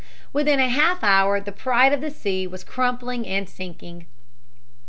Within a half hour the pride of the sea was crumpled and sinking.